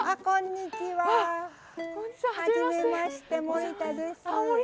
はじめまして、森田です。